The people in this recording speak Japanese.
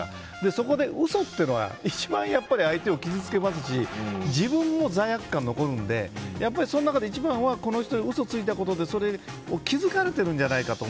そこで嘘っていうのは一番相手を傷つけますし自分も罪悪感が残るのでその中で一番はこの人に嘘ついたことで気づかれてるんじゃないかと